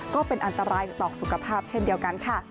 ก็เป็นอันตรายต่อสุขภาพเช่นเดียวกันค่ะ